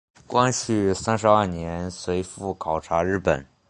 光绪三十二年随父考察日本。